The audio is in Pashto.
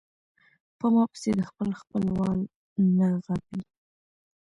پۀ ما پسې د خپل خپل وال نه غاپي